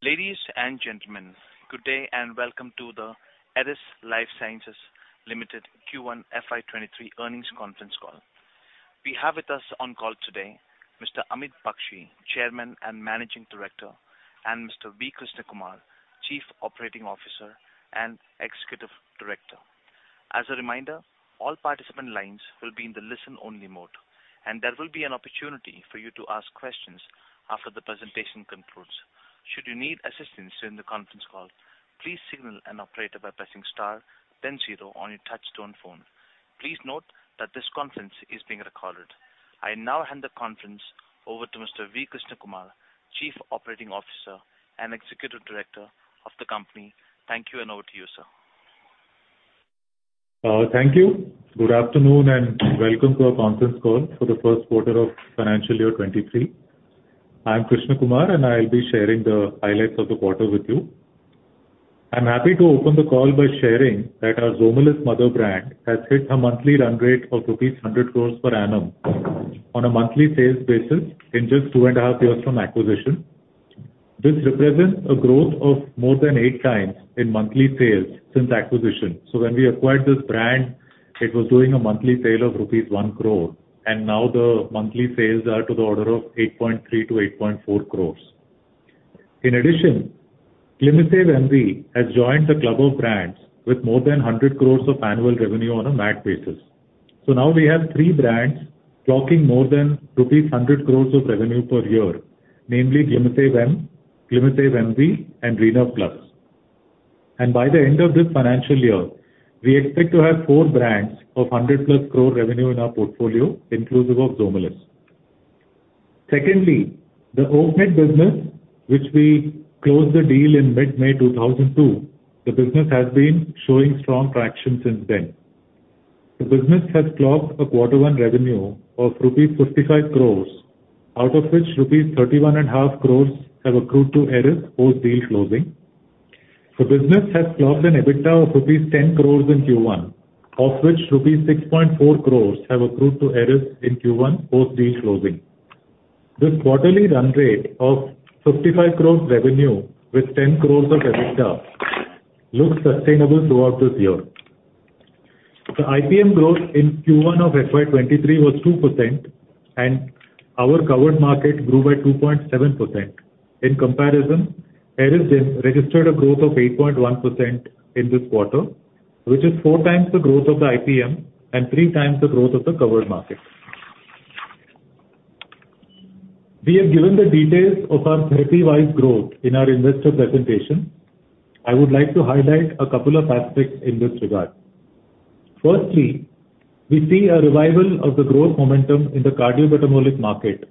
Ladies and gentlemen, good day and welcome to the Eris Lifesciences Limited Q1 FY 2023 earnings conference call. We have with us on call today Mr. Amit Bakshi, Chairman and Managing Director, and Mr. Krishnakumar Vaidyanathan, Chief Operating Officer and Executive Director. As a reminder, all participant lines will be in the listen-only mode, and there will be an opportunity for you to ask questions after the presentation concludes. Should you need assistance during the conference call, please signal an operator by pressing star then zero on your touch-tone phone. Please note that this conference is being recorded. I now hand the conference over to Mr. Krishnakumar Vaidyanathan, Chief Operating Officer and Executive Director of the company. Thank you, and over to you, sir. Thank you. Good afternoon and welcome to our conference call for the first quarter of financial year 2023. I'm Krishnakumar, and I'll be sharing the highlights of the quarter with you. I'm happy to open the call by sharing that our Zomelis mother brand has hit a monthly run rate of rupees 100 crore per annum on a monthly sales basis in just 2.5 years from acquisition. This represents a growth of more than 8x in monthly sales since acquisition. When we acquired this brand, it was doing a monthly sale of rupees 1 crore, and now the monthly sales are to the order of 8.3 crore-8.4 crore. In addition, Glimisave MV has joined the club of brands with more than 100 crores of annual revenue on a MAT basis. Now we have three brands clocking more than rupees 100 crore of revenue per year, namely Glimisave M, Glimisave MV, and Renerve Plus. By the end of this financial year, we expect to have four brands of 100+ crore revenue in our portfolio, inclusive of Zomelis. Secondly, the Oaknet business, which we closed the deal in mid-May 2022, the business has been showing strong traction since then. The business has clocked a Q1 revenue of rupees 55 crore, out of which rupees 31.5 crore have accrued to Eris post-deal closing. The business has clocked an EBITDA of rupees 10 crore in Q1, of which rupees 6.4 crore have accrued to Eris in Q1 post-deal closing. This quarterly run rate of 55 crore revenue with 10 crore of EBITDA looks sustainable throughout this year. The IPM growth in Q1 of FY 2023 was 2%, and our covered market grew by 2.7%. In comparison, Eris registered a growth of 8.1% in this quarter, which is 4x the growth of the IPM and 3x the growth of the covered market. We have given the details of our therapy-wise growth in our investor presentation. I would like to highlight a couple of aspects in this regard. Firstly, we see a revival of the growth momentum in the cardiometabolic market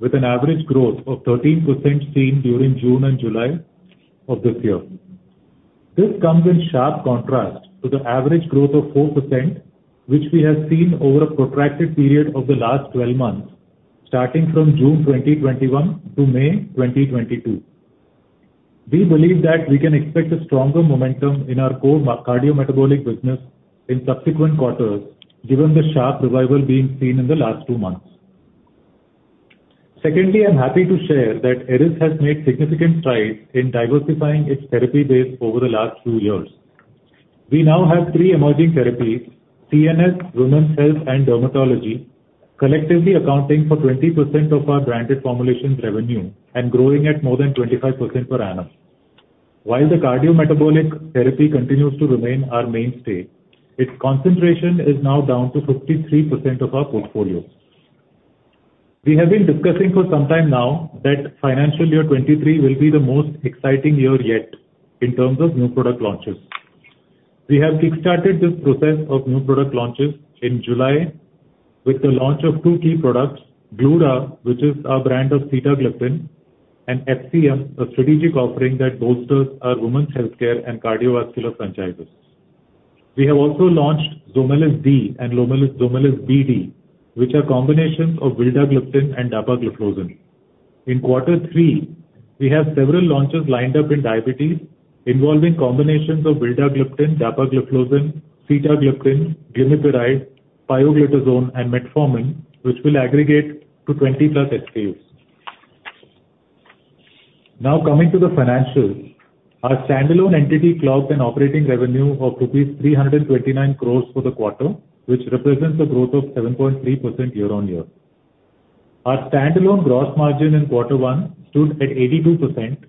with an average growth of 13% seen during June and July of this year. This comes in sharp contrast to the average growth of 4%, which we have seen over a protracted period of the last 12 months, starting from June 2021 to May 2022. We believe that we can expect a stronger momentum in our core cardiometabolic business in subsequent quarters, given the sharp revival being seen in the last two months. Secondly, I'm happy to share that Eris has made significant strides in diversifying its therapy base over the last two years. We now have three emerging therapies, CNS, women's health, and dermatology, collectively accounting for 20% of our branded formulations revenue and growing at more than 25% per annum. While the cardiometabolic therapy continues to remain our mainstay, its concentration is now down to 53% of our portfolio. We have been discussing for some time now that financial year 2023 will be the most exciting year yet in terms of new product launches. We have kick-started this process of new product launches in July with the launch of two key products, Glura, which is our brand of sitagliptin, and FCM, a strategic offering that bolsters our women's healthcare and cardiovascular franchises. We have also launched Zomelis D and Zomelis DD, which are combinations of vildagliptin and dapagliflozin. In quarter three, we have several launches lined up in diabetes involving combinations of vildagliptin, dapagliflozin, sitagliptin, glimepiride, pioglitazone, and metformin, which will aggregate to 20+ SKUs. Now coming to the financials. Our standalone entity clocked an operating revenue of rupees 329 crore for the quarter, which represents a growth of 7.3% year-on-year. Our standalone gross margin in quarter one stood at 82%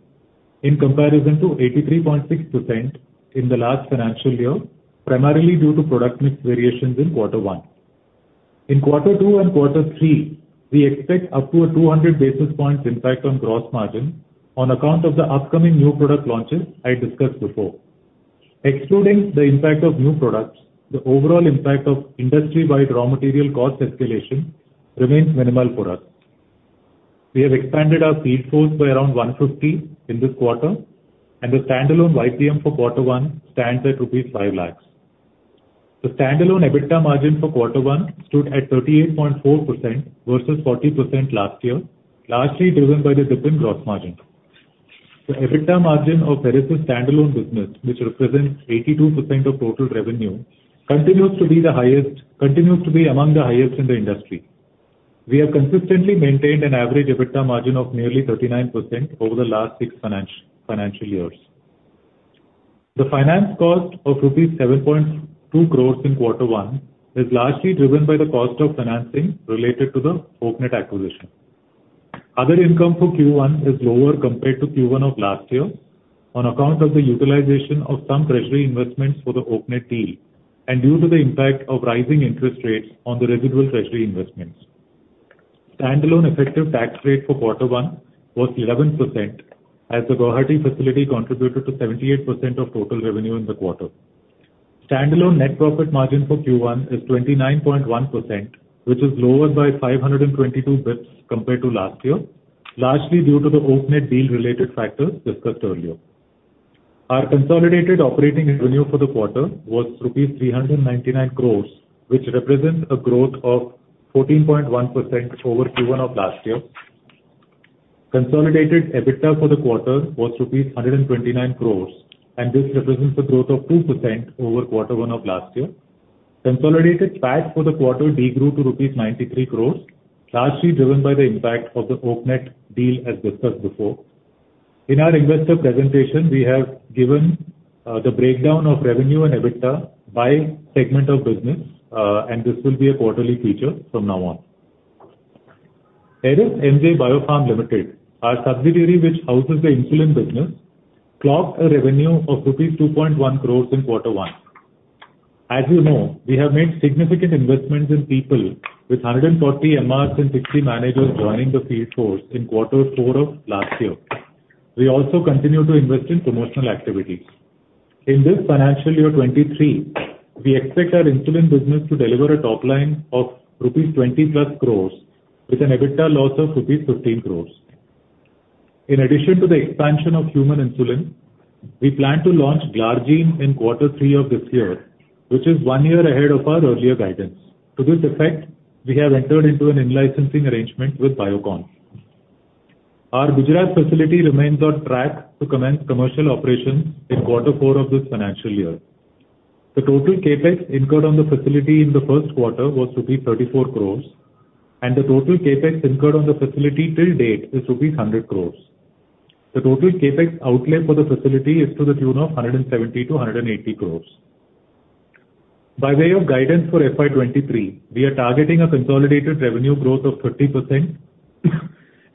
in comparison to 83.6% in the last financial year, primarily due to product mix variations in quarter one. In quarter two and quarter three, we expect up to 200 basis points impact on gross margin on account of the upcoming new product launches I discussed before. Excluding the impact of new products, the overall impact of industry-wide raw material cost escalation remains minimal for us. We have expanded our field force by around 150 in this quarter, and the standalone YPM for quarter one stands at rupees 5 lakhs. The standalone EBITDA margin for quarter one stood at 38.4% versus 40% last year, largely driven by the dip in gross margin. The EBITDA margin of Eris' standalone business, which represents 82% of total revenue, continues to be among the highest in the industry. We have consistently maintained an average EBITDA margin of nearly 39% over the last six financial years. The finance cost of rupees 7.2 crore in quarter one is largely driven by the cost of financing related to the Oaknet acquisition. Other income for Q1 is lower compared to Q1 of last year on account of the utilization of some treasury investments for the Oaknet deal and due to the impact of rising interest rates on the residual treasury investments. Standalone effective tax rate for quarter one was 11% as the Guwahati facility contributed to 78% of total revenue in the quarter. Standalone net profit margin for Q1 is 29.1%, which is lower by 522 basis points compared to last year, largely due to the Oaknet deal-related factors discussed earlier. Our consolidated operating revenue for the quarter was rupees 399 crore, which represents a growth of 14.1% over Q1 of last year. Consolidated EBITDA for the quarter was INR 129 crore, and this represents a growth of 2% over quarter one of last year. Consolidated PAT for the quarter degrew to rupees 93 crore, largely driven by the impact of the Oaknet deal, as discussed before. In our investor presentation, we have given the breakdown of revenue and EBITDA by segment of business, and this will be a quarterly feature from now on. Eris MJ Biopharm Private Limited, our subsidiary which houses the insulin business, clocked a revenue of rupees 2.1 crore in quarter one. As you know, we have made significant investments in people with 140 MRs and 60 managers joining the field force in quarter four of last year. We also continue to invest in promotional activities. In this financial year 2023, we expect our insulin business to deliver a top line of rupees 20+ crore with an EBITDA loss of rupees 15 crore. In addition to the expansion of human insulin, we plan to launch Glargine in quarter three of this year, which is one year ahead of our earlier guidance. To this effect, we have entered into an in-licensing arrangement with Biocon. Our Gujarat facility remains on track to commence commercial operations in quarter four of this financial year. The total CapEx incurred on the facility in the first quarter was INR 34 crore, and the total CapEx incurred on the facility till date is INR 100 crore. The total CapEx outlay for the facility is to the tune of 170 crore-180 crore. By way of guidance for FY 2023, we are targeting a consolidated revenue growth of 30%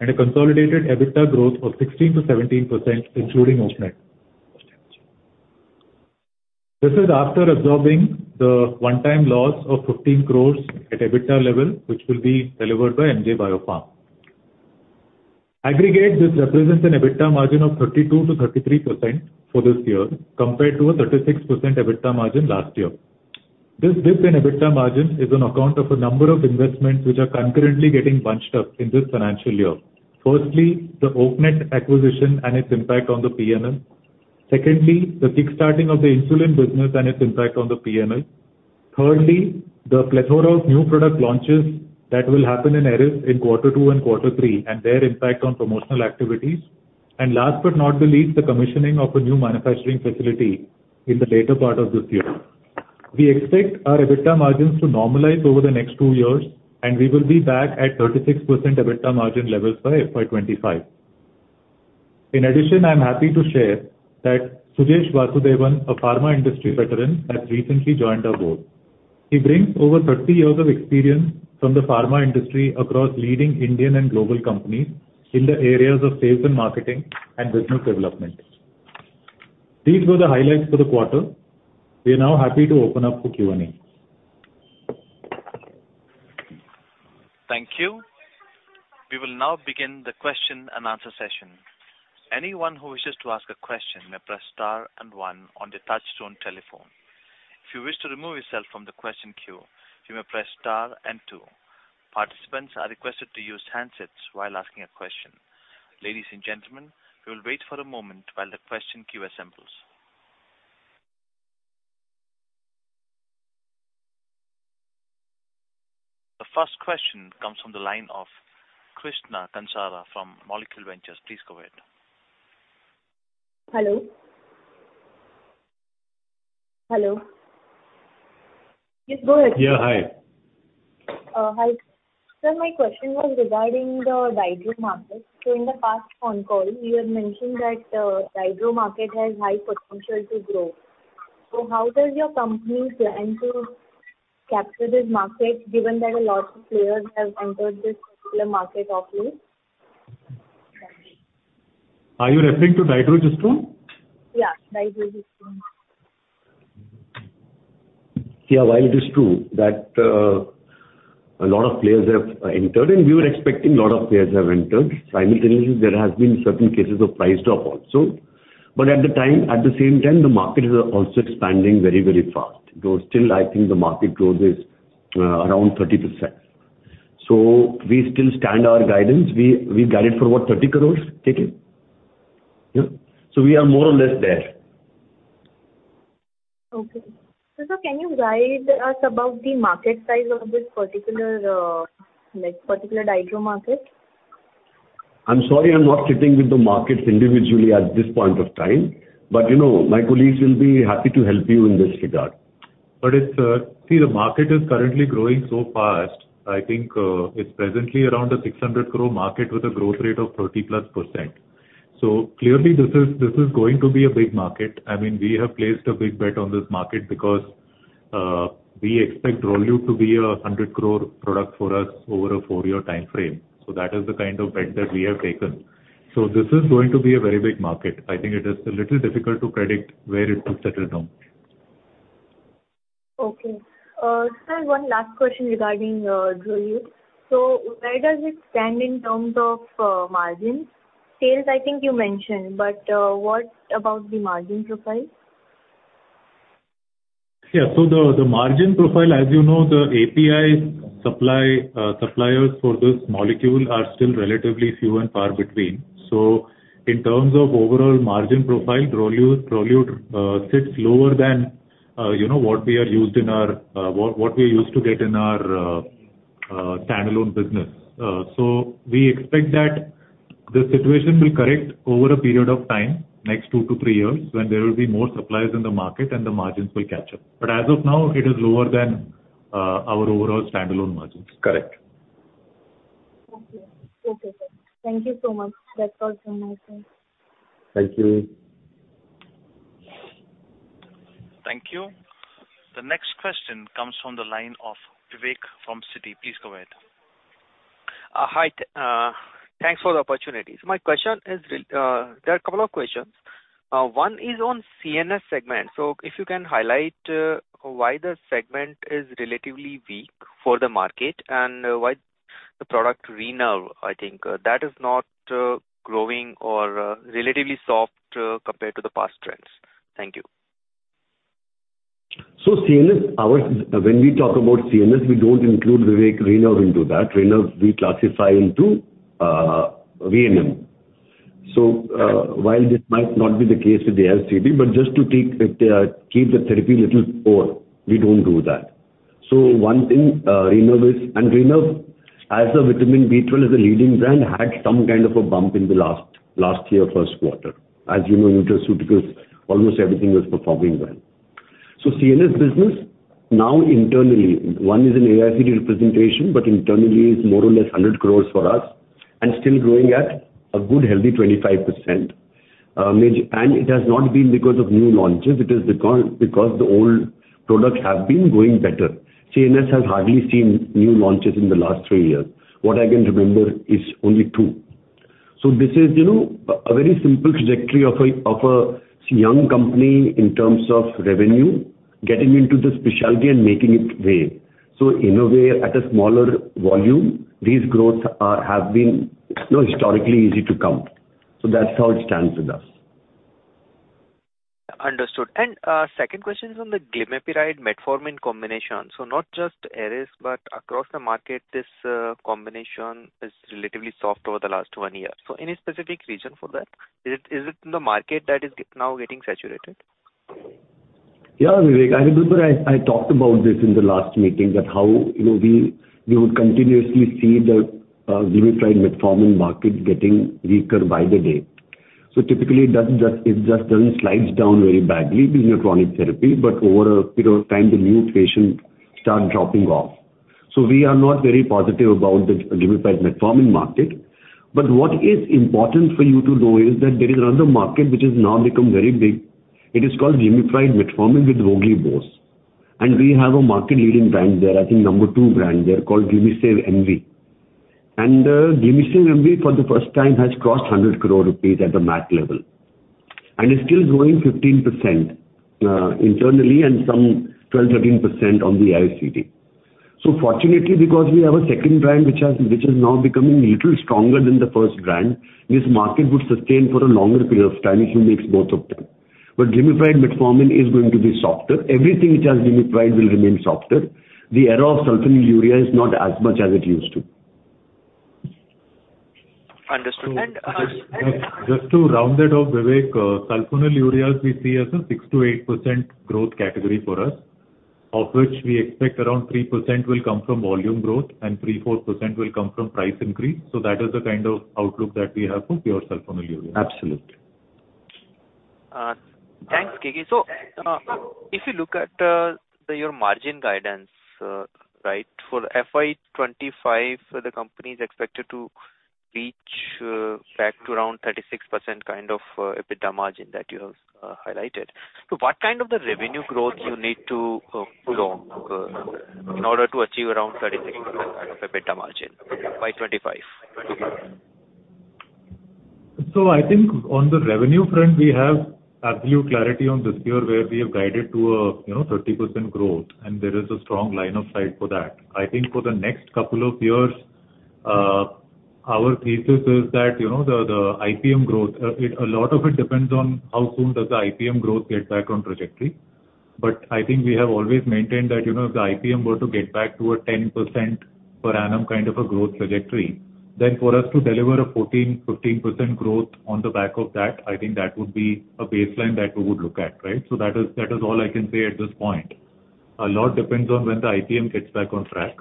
and a consolidated EBITDA growth of 16%-17%, including Oaknet. This is after absorbing the one-time loss of 15 crore at EBITDA level, which will be delivered by M.J. Biopharm. Aggregate, this represents an EBITDA margin of 32%-33% for this year compared to a 36% EBITDA margin last year. This dip in EBITDA margin is on account of a number of investments which are concurrently getting bunched up in this financial year. Firstly, the Oaknet acquisition and its impact on the P&L. Secondly, the kick-starting of the insulin business and its impact on the P&L. Thirdly, the plethora of new product launches that will happen in Eris in quarter two and quarter three, and their impact on promotional activities. Last but not the least, the commissioning of a new manufacturing facility in the later part of this year. We expect our EBITDA margins to normalize over the next two years, and we will be back at 36% EBITDA margin levels by FY 2025. In addition, I'm happy to share that Sujesh Vasudevan, a pharma industry veteran, has recently joined our board. He brings over 30 years of experience from the pharma industry across leading Indian and global companies in the areas of sales and marketing and business development. These were the highlights for the quarter. We are now happy to open up for Q and A. Thank you. We will now begin the question-and-answer session. Anyone who wishes to ask a question may press star and one on the touch-tone telephone. If you wish to remove yourself from the question queue, you may press star and two. Participants are requested to use handsets while asking a question. Ladies and gentlemen, we will wait for a moment while the question queue assembles. The first question comes from the line of Krisha Kansara from Molecule Ventures. Please go ahead. Hello? Hello? Yes, go ahead. Yeah, hi. Hi. Sir, my question was regarding the dydrogesterone market. In the past phone call you had mentioned that, dydrogesterone market has high potential to grow. How does your company plan to capture this market given that a lot of players have entered this particular market of late? Thank you. Are you referring to Dydrogesterone? Yeah, Dydrogesterone. Yeah, while it is true that a lot of players have entered, and we were expecting a lot of players have entered, simultaneously there has been certain cases of price drop also. At the same time, the market is also expanding very, very fast. Still I think the market growth is around 30%. We still stand our guidance. We guided for what, 30 crore, KK? Yeah. We are more or less there. Okay. Sir, can you guide us about the market size of this particular Dydro market? I'm sorry I'm not sitting with the markets individually at this point of time, but, you know, my colleagues will be happy to help you in this regard. See, the market is currently growing so fast. I think, it's presently around a 600 crore market with a growth rate of 30+%. Clearly, this is going to be a big market. I mean, we have placed a big bet on this market because we expect Rolute to be a 100 crore product for us over a four-year time frame. That is the kind of bet that we have taken. This is going to be a very big market. I think it is a little difficult to predict where it will settle down. Okay. Sir, one last question regarding Rolute. Where does it stand in terms of margin? Sales, I think you mentioned, but what about the margin profile? Yeah. The margin profile, as you know, the API supply suppliers for this molecule are still relatively few and far between. In terms of overall margin profile, Rolute sits lower than, you know, what we used to get in our standalone business. We expect that the situation will correct over a period of time, next two to three years, when there will be more suppliers in the market and the margins will catch up. As of now, it is lower than our overall standalone margins. Correct. Thank you. Okay, sir. Thank you so much. That's all from my side. Thank you. Thank you. The next question comes from the line of Vivek from Citigroup. Please go ahead. Hi. Thanks for the opportunity. My question is there are a couple of questions. One is on CNS segment. If you can highlight why the segment is relatively weak for the market and why the product Renerve, I think, that is not growing or relatively soft compared to the past trends. Thank you. CNS. When we talk about CNS, we don't include, Vivek, Renerve into that. Renerve we classify into VMN. While this might not be the case with the AIOCD, but just to take, keep the therapy little pure, we don't do that. One thing, Renerve is. Renerve as a vitamin B12 as a leading brand had some kind of a bump in the last year first quarter. As you know, nutraceuticals, almost everything was performing well. CNS business now internally, one is an AIOCD representation, but internally it's more or less 100 crore for us and still growing at a good, healthy 25%. It has not been because of new launches, it is because the old products have been growing better. CNS has hardly seen new launches in the last three years. What I can remember is only two. This is, you know, a very simple trajectory of a young company in terms of revenue, getting into the specialty and making its way. In a way, at a smaller volume, these growth have been, you know, historically easy to come. That's how it stands with us. Understood. Second question is on the glimepiride/metformin combination. Not just Eris, but across the market, this combination is relatively soft over the last one year. Any specific reason for that? Is it the market that is now getting saturated? Yeah, Vivek. I remember I talked about this in the last meeting, that how, you know, we would continuously see the glimepiride/metformin market getting weaker by the day. Typically, it just doesn't slide down very badly with chronic therapy, but over a period of time, the new patients start dropping off. We are not very positive about the glimepiride/metformin market. But what is important for you to know is that there is another market which has now become very big. It is called glimepiride/metformin with voglibose. We have a market-leading brand there, I think number two brand there called Glimisave MV. Glimisave MV for the first time has crossed 100 crore rupees at the MAT level, and it's still growing 15%, internally and some 12%-13% on the AIOCD. Fortunately, because we have a second brand which is now becoming little stronger than the first brand, this market would sustain for a longer period of time if you mix both of them. Glimepiride/metformin is going to be softer. Everything which has glimepiride will remain softer. The era of sulfonylureas is not as much as it used to. Understood. Just to round it off, Vivek, sulfonylureas we see as a 6%-8% growth category for us, of which we expect around 3% will come from volume growth and 3%-4% will come from price increase. That is the kind of outlook that we have for pure sulfonylureas. Absolutely. Thanks, K.K. If you look at your margin guidance right for FY 2025, the company is expected to reach back to around 36% kind of EBITDA margin that you have highlighted. What kind of the revenue growth you need to pull off in order to achieve around 36% of EBITDA margin by 2025? I think on the revenue front, we have absolute clarity on this year where we have guided to a 30% growth, and there is a strong line of sight for that. I think for the next couple of years, our thesis is that, you know, the IPM growth, a lot of it depends on how soon does the IPM growth get back on trajectory. I think we have always maintained that, you know, if the IPM were to get back to a 10% per annum kind of a growth trajectory, then for us to deliver a 14%-15% growth on the back of that, I think that would be a baseline that we would look at, right? That is all I can say at this point. A lot depends on when the IPM gets back on track.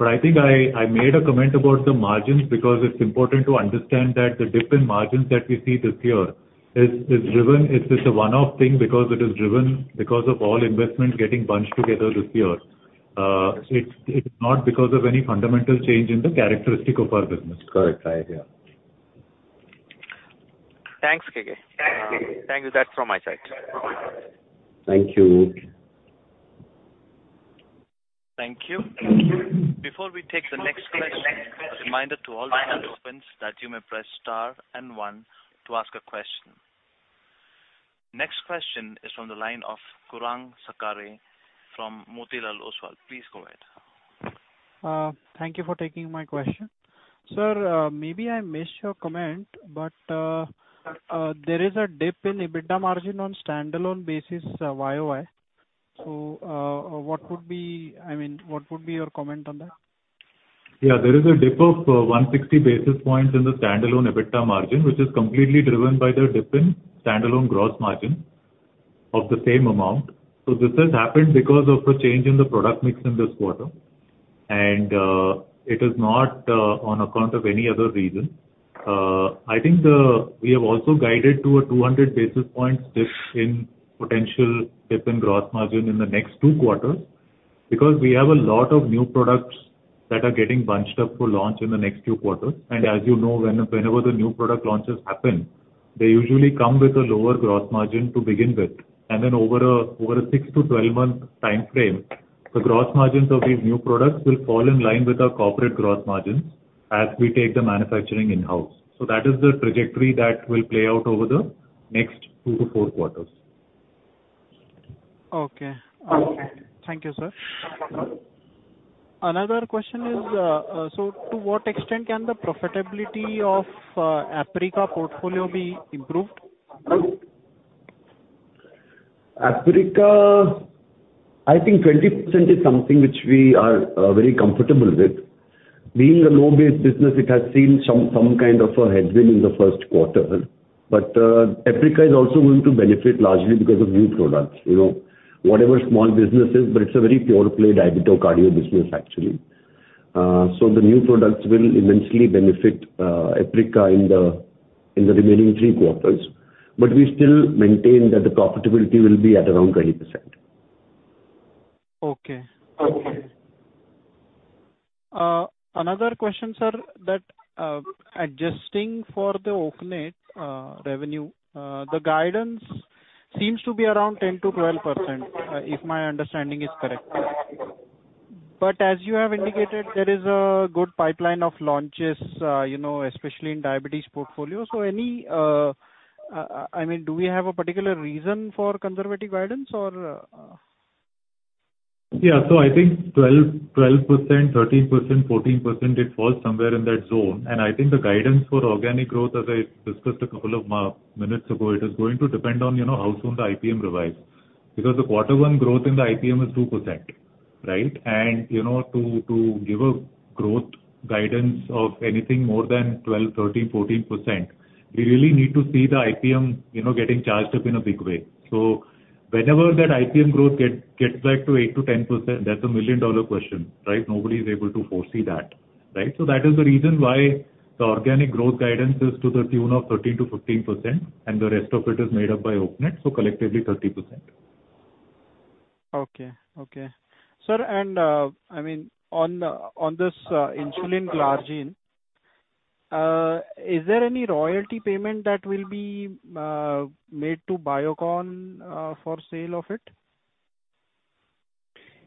I think I made a comment about the margins because it's important to understand that the dip in margins that we see this year is driven. It's just a one-off thing because it is driven because of all investments getting bunched together this year. It's not because of any fundamental change in the characteristic of our business. Correct. I hear. Thanks, Amit. Thank you. That's from my side. Thank you. Thank you. Before we take the next question, a reminder to all participants that you may press star and one to ask a question. Next question is from the line of Gaurang Sakare from Motilal Oswal. Please go ahead. Thank you for taking my question. Sir, maybe I missed your comment, but there is a dip in EBITDA margin on standalone basis YOY. I mean, what would be your comment on that? Yeah, there is a dip of 160 basis points in the standalone EBITDA margin, which is completely driven by the dip in standalone gross margin of the same amount. This has happened because of a change in the product mix in this quarter. It is not on account of any other reason. I think we have also guided to a 200 basis points dip in gross margin in the next two quarters because we have a lot of new products that are getting bunched up for launch in the next two quarters. As you know, whenever the new product launches happen, they usually come with a lower gross margin to begin with and then over a six-12-month timeframe, the gross margins of these new products will fall in line with our corporate gross margins as we take the manufacturing in-house. That is the trajectory that will play out over the next two to four quarters. Okay. Thank you, sir. Another question is, to what extent can the profitability of Aprica portfolio be improved? Aprica, I think 20% is something which we are very comfortable with. Being a low base business, it has seen some kind of a headwind in the first quarter. Aprica is also going to benefit largely because of new products. You know, whatever small business is, but it's a very pure-play diabetic cardio business actually. So the new products will immensely benefit Aprica in the remaining three quarters, but we still maintain that the profitability will be at around 20%. Okay. Another question, sir, adjusting for the Oaknet revenue, the guidance seems to be around 10%-12%, if my understanding is correct. As you have indicated, there is a good pipeline of launches, you know, especially in diabetes portfolio. Any, I mean, do we have a particular reason for conservative guidance or? Yeah. I think 12%, 13%, 14%, it falls somewhere in that zone. I think the guidance for organic growth, as I discussed a couple of minutes ago, it is going to depend on, you know, how soon the IPM revise. Because the quarter one growth in the IPM is 2%, right? You know, to give a growth guidance of anything more than 12, 13, 14%, we really need to see the IPM, you know, getting charged up in a big way. Whenever that IPM growth gets back to 8%-10%, that's a million-dollar question, right? Nobody is able to foresee that, right? That is the reason why the organic growth guidance is to the tune of 13%-15%, and the rest of it is made up by Oaknet, so collectively 30%. Okay. Sir, I mean, on this insulin Glargine, is there any royalty payment that will be made to Biocon for sale of it?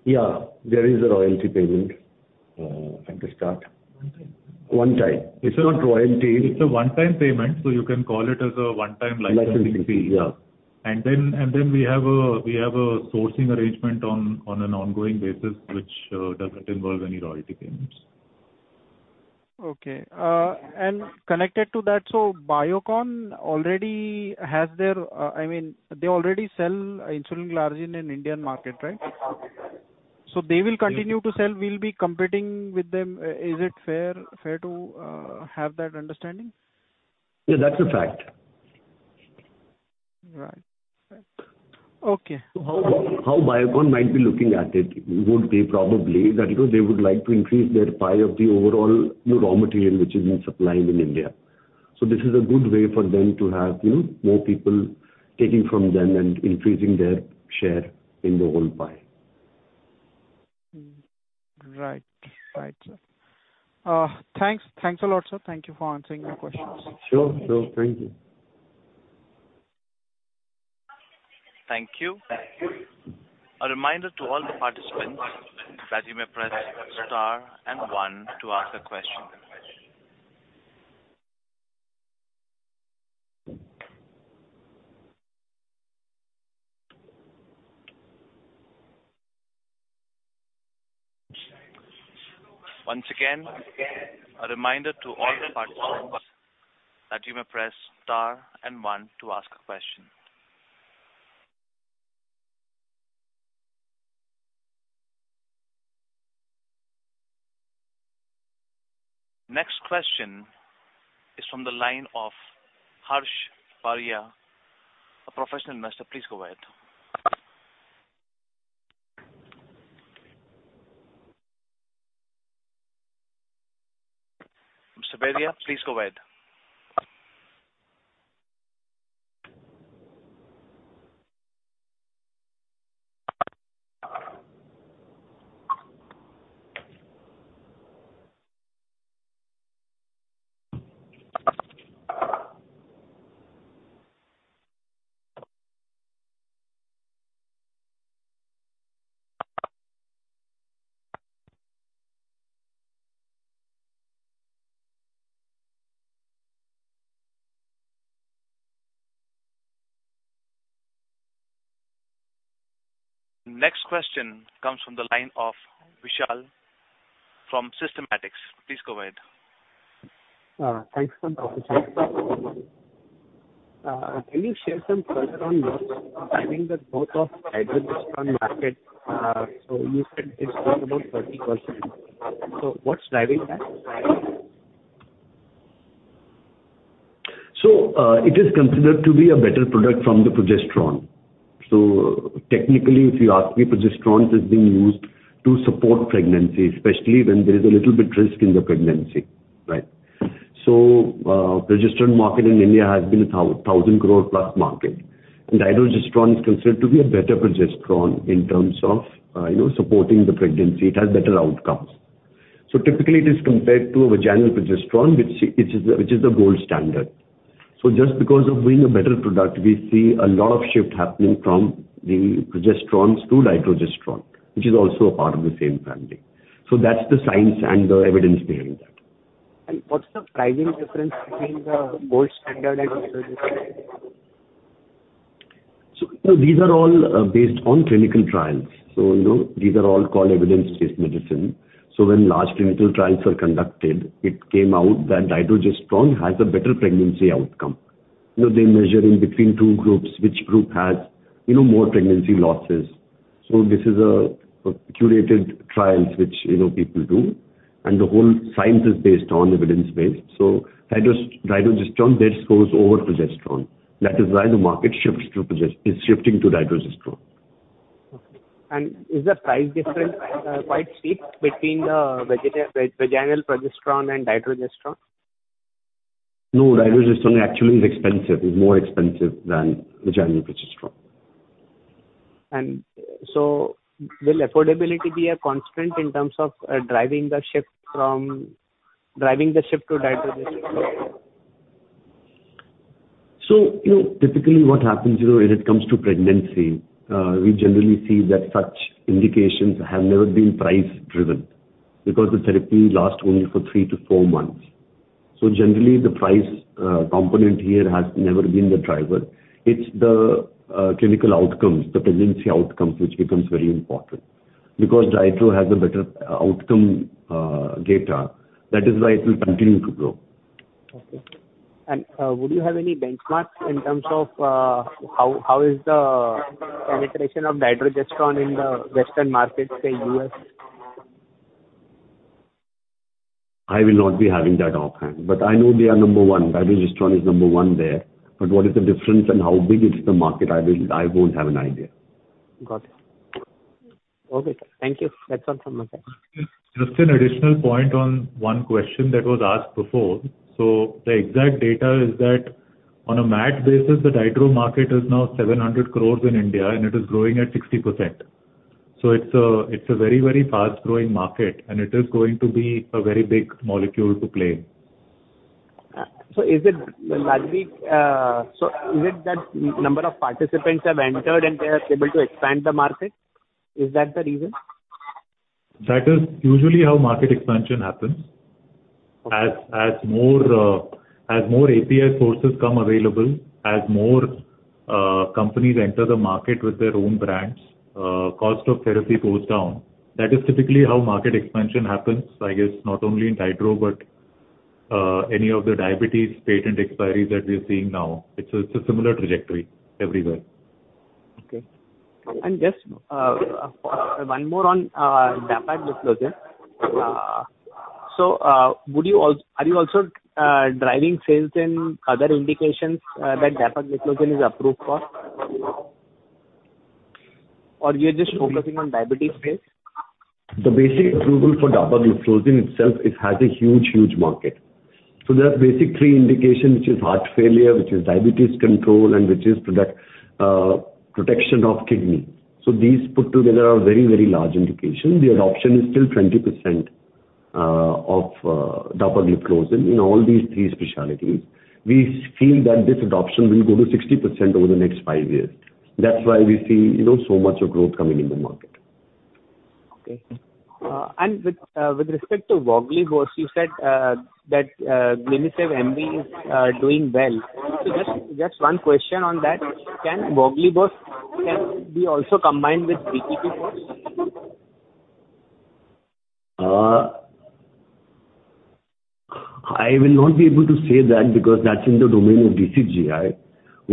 Yeah, there is a royalty payment at the start. One time. One time. It's not royalty. It's a one-time payment, so you can call it as a one-time licensing fee. Licensing, yeah. We have a sourcing arrangement on an ongoing basis, which doesn't involve any royalty payments. Okay. Connected to that, Biocon already has their, I mean, they already sell insulin glargine in Indian market, right? They will continue to sell. We'll be competing with them. Is it fair to have that understanding? Yeah, that's a fact. Right. Okay. How Biocon might be looking at it would be probably that, you know, they would like to increase their pie of the overall, you know, raw material which is being supplied in India. This is a good way for them to have, you know, more people taking from them and increasing their share in the whole pie. Right. Right, sir. Thanks. Thanks a lot, sir. Thank you for answering my questions. Sure. Sure. Thank you. Thank you. A reminder to all the participants that you may press star and one to ask a question. Once again, a reminder to all the participants that you may press star and one to ask a question. Next question is from the line of Harsh Paria, a professional investor. Please go ahead. Mr. Paria, please go ahead. Next question comes from the line of Vishal from Systematix. Please go ahead. Thanks, can you share some color on what's driving the growth of the dydrogesterone market? You said it's grown about 30%. What's driving that? It is considered to be a better product from the progesterone. Technically, if you ask me, progesterones is being used to support pregnancy, especially when there is a little bit risk in the pregnancy, right? Progesterone market in India has been a 1,000 crore plus market, and dydrogesterone is considered to be a better progesterone in terms of, you know, supporting the pregnancy. It has better outcomes. Typically it is compared to a vaginal progesterone, which is the gold standard. Just because of being a better product, we see a lot of shift happening from the progesterones to dydrogesterone, which is also a part of the same family. That's the science and the evidence behind that. What's the pricing difference between the gold standard and dydrogesterone? These are all based on clinical trials. You know, these are all called evidence-based medicine. When large clinical trials are conducted, it came out that dydrogesterone has a better pregnancy outcome. You know, they measure between two groups, which group has, you know, more pregnancy losses. This is a curated trials which, you know, people do, and the whole science is based on evidence-based. Dydrogesterone, that scores over progesterone. That is why the market is shifting to dydrogesterone. Okay. Is the price difference quite steep between the vaginal progesterone and Dydrogesterone? No, Dydrogesterone actually is expensive. It's more expensive than vaginal progesterone. Will affordability be a constraint in terms of driving the shift to dydrogesterone? You know, typically what happens, you know, when it comes to pregnancy, we generally see that such indications have never been price-driven because the therapy lasts only for three to four months. Generally, the price component here has never been the driver. It's the clinical outcomes, the pregnancy outcomes, which becomes very important. Because Dydro has a better outcome data, that is why it will continue to grow. Okay. Would you have any benchmarks in terms of how is the penetration of dydrogesterone in the Western markets, say U.S.? I will not be having that offhand, but I know they are number one. Dydrogesterone is number one there. What is the difference and how big is the market? I won't have an idea. Got it. Okay. Thank you. That's all from my side. Just an additional point on one question that was asked before. The exact data is that on a MAT basis, the DPP-4 market is now 700 crore in India, and it is growing at 60%. It's a, it's a very, very fast-growing market, and it is going to be a very big molecule to play. Is it, Rajeev, that a number of participants have entered and they are able to expand the market? Is that the reason? That is usually how market expansion happens. Okay. As more API sources come available, as more companies enter the market with their own brands, cost of therapy goes down. That is typically how market expansion happens. I guess not only in DPP-4, but any of the diabetes patent expiries that we are seeing now. It's a similar trajectory everywhere. Okay. Just one more on dapagliflozin. Are you also driving sales in other indications that dapagliflozin is approved for? Or you're just focusing on diabetes space? The basic approval for dapagliflozin itself, it has a huge, huge market. There are basic three indications, which is heart failure, which is diabetes control, and which is product protection of kidney. These put together are very, very large indications. The adoption is still 20% of dapagliflozin in all these three specialties. We feel that this adoption will go to 60% over the next five years. That's why we see, you know, so much of growth coming in the market. Okay. With respect to voglibose, you said that Glimisave MV is doing well. Just one question on that. Can voglibose be also combined with DPP-4s? I will not be able to say that because that's in the domain of DCGI.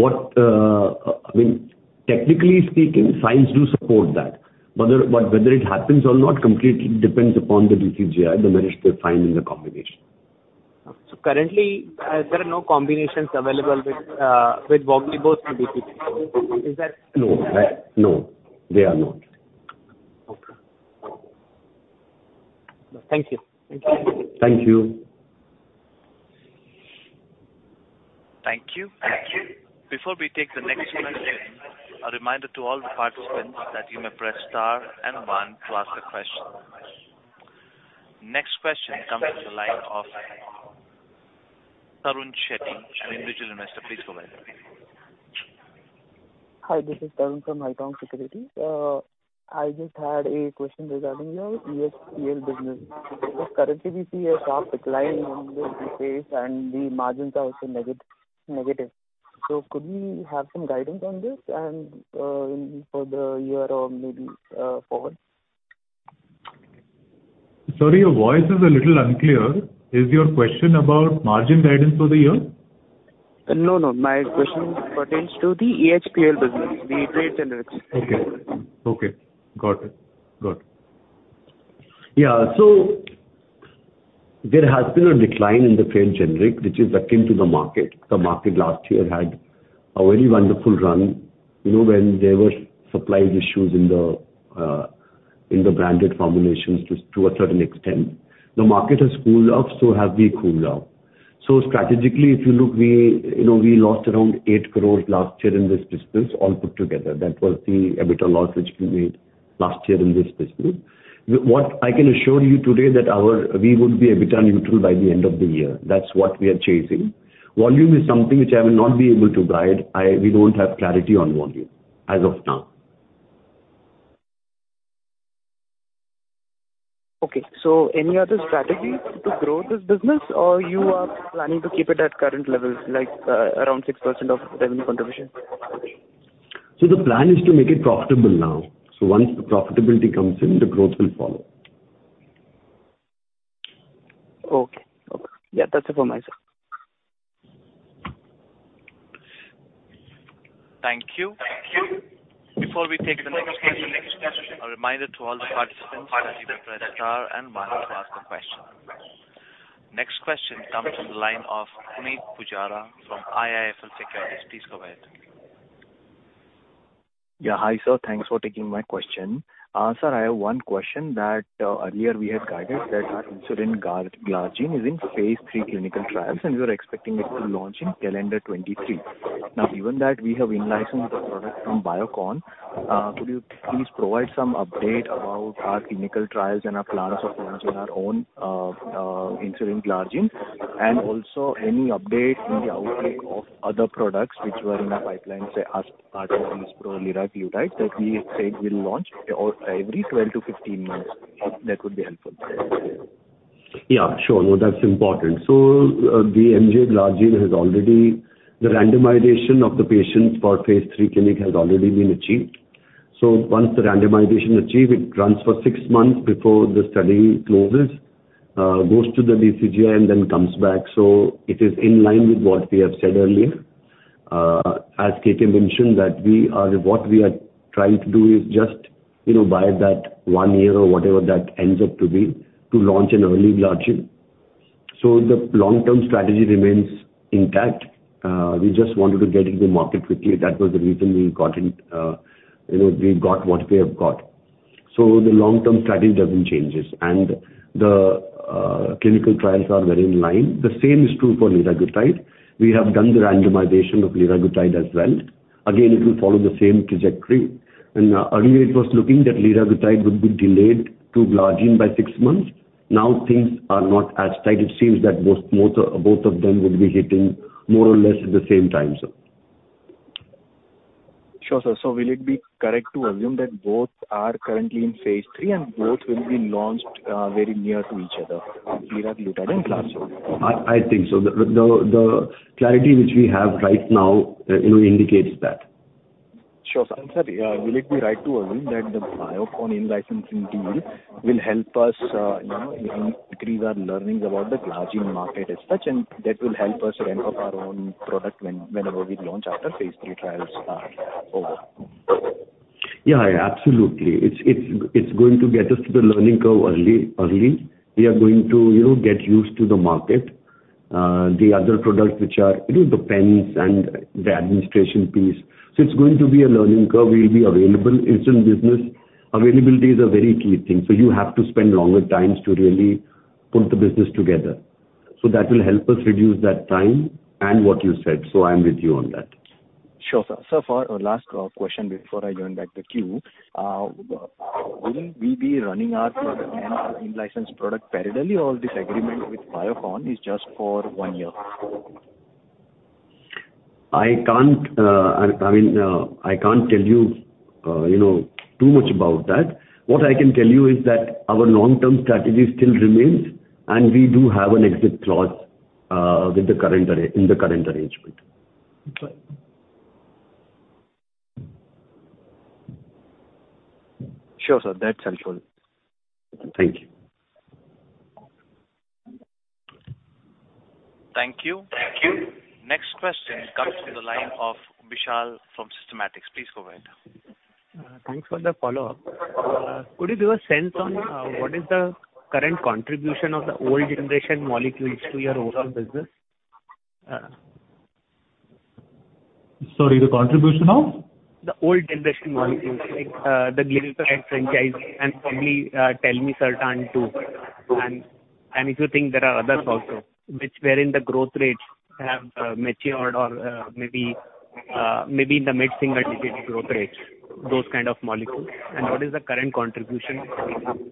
I mean, technically speaking, science do support that. Whether it happens or not completely depends upon the DCGI, the ministry finding the combination. Currently, there are no combinations available with voglibose and DCGI. Is that? No, they are not. Okay. Thank you. Thank you. Thank you. Thank you. Before we take the next question, a reminder to all the participants that you may press star and one to ask a question. Next question comes from the line of Tarun Shetty, an Individual Investor. Please go ahead. Hi, this is Tarun from Haitong Securities. I just had a question regarding your EHPL business. Because currently we see a sharp decline in this space and the margins are also negative. Could we have some guidance on this and in for the year or maybe forward? Sorry, your voice is a little unclear. Is your question about margin guidance for the year? No, no. My question pertains to the EHPL business, the trade generics. Okay. Got it. Yeah. There has been a decline in the trade generic, which is akin to the market. The market last year had a very wonderful run, you know, when there were supply issues in the branded formulations to a certain extent. The market has cooled off, so have we cooled off. Strategically, if you look, we, you know, we lost around 8 crore last year in this business all put together. That was the EBITDA loss which we made last year in this business. What I can assure you today that we would be EBITDA neutral by the end of the year. That's what we are chasing. Volume is something which I will not be able to guide. We don't have clarity on volume as of now. Okay. Any other strategy to grow this business or you are planning to keep it at current levels, like, around 6% of revenue contribution? The plan is to make it profitable now. Once the profitability comes in, the growth will follow. Okay. Yeah. That's it from my side. Thank you. Before we take the next question, a reminder to all the participants that you may press star and one to ask a question. Next question comes from the line of Punit Pujara from IIFL Securities. Please go ahead. Yeah. Hi, sir. Thanks for taking my question. Sir, I have one question that earlier we had guided that our insulin glargine is in phase III clinical trials, and we were expecting it to launch in calendar 2023. Now, given that we have in-licensed the product from Biocon, could you please provide some update about our clinical trials and our plans of launching our own insulin glargine? Also any update in the outlook of other products which were in our pipeline, say, semaglutide liraglutide, that we have said will launch or every 12-15 months. That would be helpful. Yeah, sure. No, that's important. The MJ Glargine has already. The randomization of the patients for phase III clinical has already been achieved. Once the randomization achieved, it runs for six months before the study closes, goes to the DCGI and then comes back. It is in line with what we have said earlier. As KT mentioned, that we are trying to do is just, you know, buy that one year or whatever that ends up to be to launch an early Glargine. The long-term strategy remains intact. We just wanted to get into market quickly. That was the reason we got in, you know, we got what we have got. The long-term strategy doesn't changes, and the clinical trials are very in line. The same is true for liraglutide. We have done the randomization of liraglutide as well. Again, it will follow the same trajectory. Earlier it was looking that liraglutide would be delayed to Glargine by six months. Now things are not as tight. It seems that both of them would be hitting more or less at the same time, so. Sure, sir. Will it be correct to assume that both are currently in phase three and both will be launched, very near to each other, liraglutide and Glargine? I think so. The clarity which we have right now, you know, indicates that. Sure, sir. Sir, will it be right to assume that the Biocon in-licensing deal will help us, you know, increase our learnings about the Glargine market as such, and that will help us ramp up our own product whenever we launch after phase III trials are over? Yeah, absolutely. It's going to get us to the learning curve early. We are going to, you know, get used to the market. The other products which are, you know, the pens and the administration piece. It's going to be a learning curve. We'll be available. Insulin business availability is a very key thing. You have to spend longer times to really put the business together. That will help us reduce that time and what you said. I'm with you on that. Sure, sir. For a last question before I join back the queue, will we be running our product and our in-licensed product parallely or this agreement with Biocon is just for one year? I can't tell you know, too much about that. What I can tell you is that our long-term strategy still remains, and we do have an exit clause with the current arrangement. Okay. Sure, sir. That's helpful. Thank you. Thank you. Next question comes from the line of Vishal from Systematix. Please go ahead. Thanks for the follow-up. Could you give a sense on what is the current contribution of the old generation molecules to your overall business? Sorry, the contribution of? The old generation molecules, like, the glitazone franchise and probably, telmisartan too. If you think there are others also which were in the growth rates have matured or, maybe in the mid-single-digit growth rates, those kind of molecules. What is the current contribution of these molecules?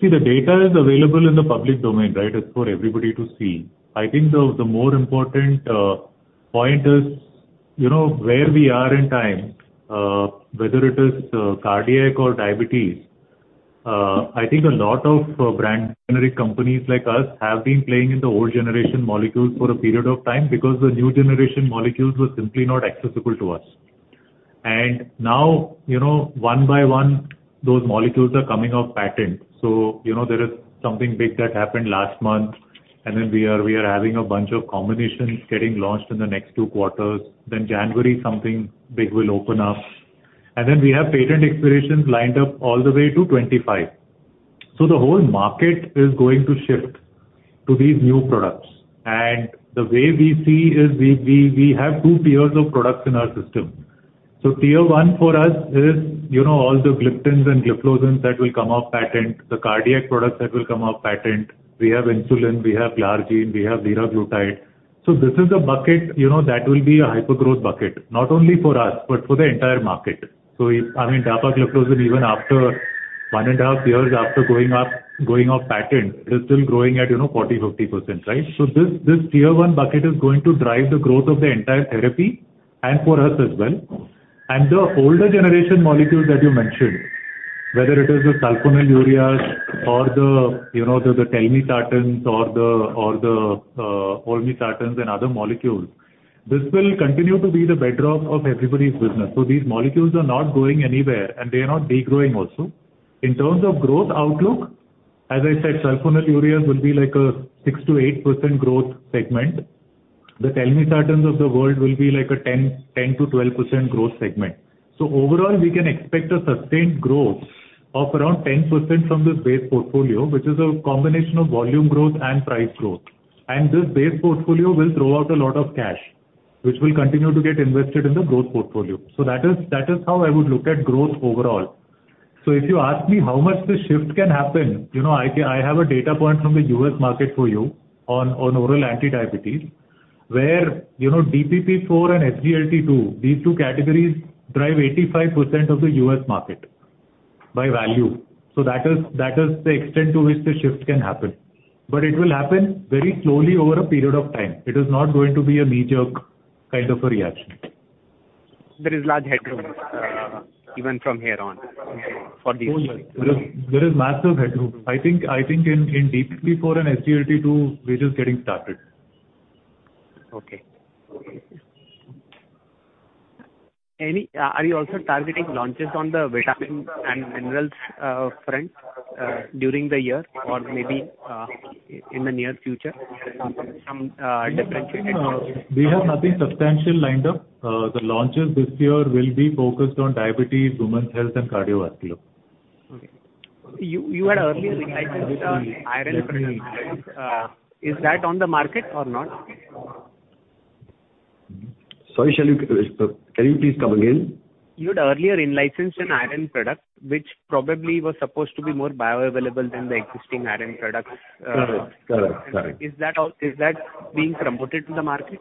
See, the data is available in the public domain, right? It's for everybody to see. I think the more important point is, you know, where we are in time, whether it is cardiac or diabetes. I think a lot of brand generic companies like us have been playing in the old generation molecules for a period of time because the new generation molecules were simply not accessible to us. Now, you know, one by one, those molecules are coming off patent. You know, there is something big that happened last month. Then we are having a bunch of combinations getting launched in the next two quarters. January, something big will open up. We have patent expirations lined up all the way to 2025. The whole market is going to shift to these new products. The way we see is we have two tiers of products in our system. Tier one for us is, you know, all the gliptins and gliflozins that will come off patent, the cardiac products that will come off patent. We have insulin, we have Glargine, we have liraglutide. This is a bucket, you know, that will be a hyper-growth bucket, not only for us, but for the entire market. It, I mean, dapagliflozin even after one and a half years after going off patent, it is still growing at, you know, 40, 50%, right? This tier one bucket is going to drive the growth of the entire therapy and for us as well. The older generation molecules that you mentioned, whether it is the sulfonylureas or the telmisartans or the olmesartans and other molecules, this will continue to be the bedrock of everybody's business. These molecules are not going anywhere, and they are not de-growing also. In terms of growth outlook, as I said, sulfonylureas will be like a 6%-8% growth segment. The telmisartans of the world will be like a 10%-12% growth segment. Overall, we can expect a sustained growth of around 10% from this base portfolio, which is a combination of volume growth and price growth. This base portfolio will throw out a lot of cash, which will continue to get invested in the growth portfolio. That is how I would look at growth overall. If you ask me how much this shift can happen, you know, I have a data point from the U.S. market for you on oral anti-diabetic, where, you know, DPP-4 and SGLT2, these two categories drive 85% of the U.S. market by value. That is the extent to which the shift can happen. But it will happen very slowly over a period of time. It is not going to be a knee-jerk kind of a reaction. There is large headroom, even from here on for these. Oh, yes. There is massive headroom. I think in DPP-4 and SGLT2, we're just getting started. Okay. Are you also targeting launches on the vitamins and minerals front during the year or maybe in the near future from differentiated- We have nothing substantial lined up. The launches this year will be focused on diabetes, women's health and cardiovascular. Okay. You had earlier in-licensed an iron product. Is that on the market or not? Can you please come again? You had earlier in-licensed an iron product, which probably was supposed to be more bioavailable than the existing iron products. Correct. Is that being promoted to the market?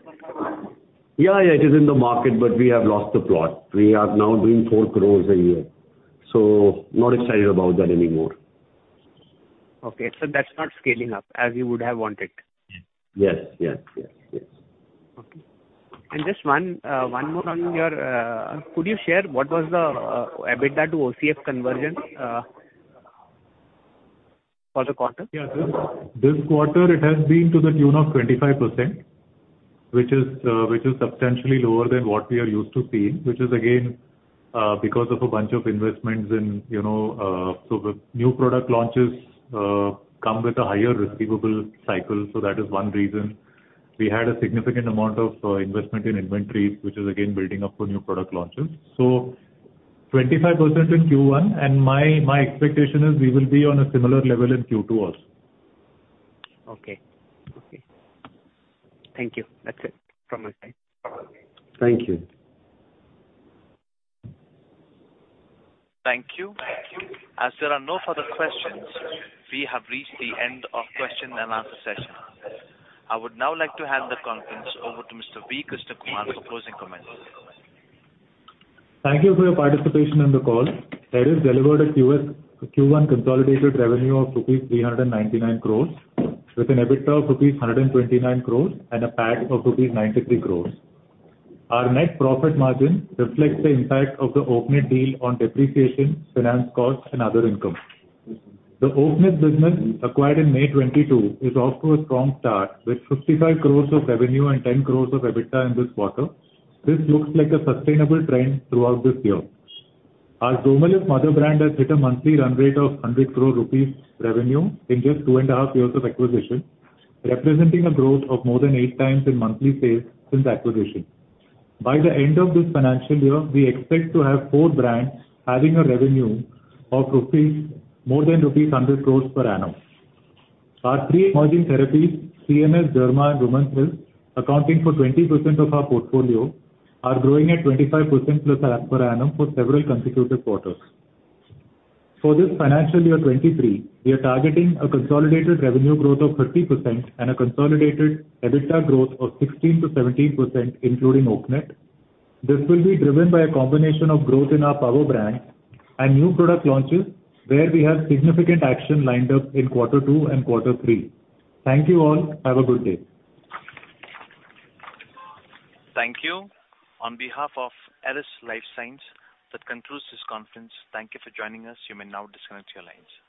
Yeah, yeah. It is in the market, but we have lost the plot. We are now doing 4 crore a year. Not excited about that anymore. Okay. That's not scaling up as you would have wanted. Yes. Okay. Just one more on your. Could you share what was the EBITDA to OCF conversion for the quarter? Yeah. This quarter it has been to the tune of 25%, which is substantially lower than what we are used to seeing, which is again because of a bunch of investments in, you know, so the new product launches come with a higher receivable cycle, so that is one reason. We had a significant amount of investment in inventory, which is again building up for new product launches. 25% in Q1, and my expectation is we will be on a similar level in Q2 also. Okay. Thank you. That's it from my side. Thank you. Thank you. As there are no further questions, we have reached the end of question and answer session. I would now like to hand the conference over to Mr. Krishnakumar Vaidyanathan for closing comments. Thank you for your participation in the call. Eris delivered a Q1 consolidated revenue of rupees 399 crore with an EBITDA of rupees 129 crore and a PAT of rupees 93 crore. Our net profit margin reflects the impact of the Oaknet deal on depreciation, finance costs and other income. The Oaknet business acquired in May 2022 is off to a strong start with 55 crore of revenue and 10 crores of EBITDA in this quarter. This looks like a sustainable trend throughout this year. Our Domalith mother brand has hit a monthly run rate of 100 crore rupees revenue in just two and a half years of acquisition, representing a growth of more than 8x in monthly sales since acquisition. By the end of this financial year, we expect to have four brands having a revenue of more than rupees 100 crore per annum. Our three emerging therapies, CNS, Derma and Women's Health, accounting for 20% of our portfolio, are growing at 25%+ per annum for several consecutive quarters. For this financial year 2023, we are targeting a consolidated revenue growth of 30% and a consolidated EBITDA growth of 16%-17%, including Oaknet. This will be driven by a combination of growth in our power brand and new product launches, where we have significant action lined up in quarter two and quarter three. Thank you all. Have a good day. Thank you. On behalf of Eris Lifesciences, that concludes this conference. Thank you for joining us. You may now disconnect your lines.